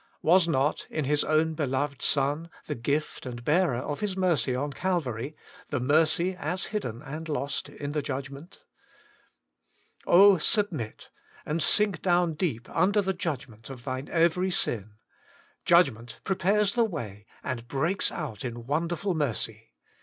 Was not, in His own Beloved Son, the gift and bearer of His mercy on Calvary, the mercy as hidden and lost in the judgment t Oh, submit, and sink down deep under the judgment of thine every sin : judgment prepares the way, and breaks out in wonderful mercy.